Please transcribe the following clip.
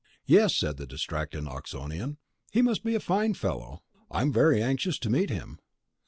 "Yes," said the distracted Oxonian. "He must be a fine fellow. I'm very anxious to meet him."